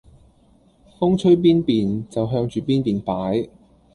風吹邊便就向住邊便擺